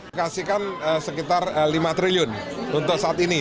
dikasihkan sekitar lima triliun untuk saat ini